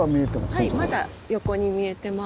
はいまだ横に見えてます。